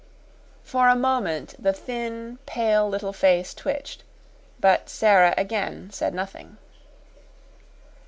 For a moment the thin, pale little face twitched, but Sara again said nothing.